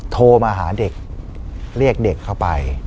โทรมาหาเด็กเรียกเด็กเข้าไป